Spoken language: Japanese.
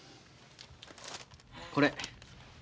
これ。